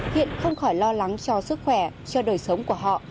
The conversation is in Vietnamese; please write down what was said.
hiện không khỏi lo lắng cho sức khỏe cho đời sống của họ